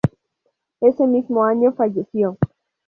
Ese mismo año falleció.